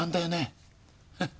フッ！